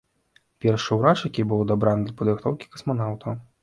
Першы урач, які быў адабраны для падрыхтоўкі касманаўтаў.